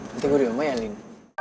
nanti gue di rumah ya ling